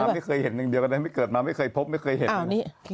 ไม่เคยเห็นอย่างเดียวก็ได้ไม่เกิดมาไม่เคยพบไม่เคยเห็น